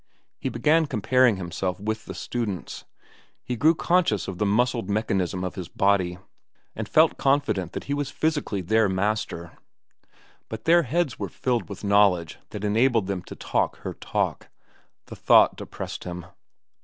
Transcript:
He began comparing himself with the students. He grew conscious of the muscled mechanism of his body and felt confident that he was physically their master. But their heads were filled with knowledge that enabled them to talk her talk,—the thought depressed him.